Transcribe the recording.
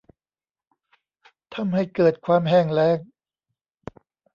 ทำให้เกิดความแห้งแล้ง